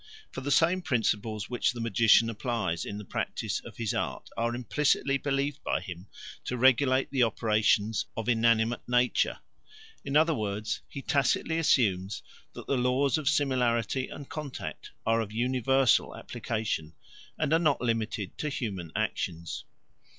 For the same principles which the magician applies in the practice of his art are implicitly believed by him to regulate the operations of inanimate nature; in other words, he tacitly assumes that the Laws of Similarity and Contact are of universal application and are not limited to human actions.